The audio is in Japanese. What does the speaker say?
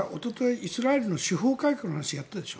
イスラエルの司法改革の話やってたでしょ。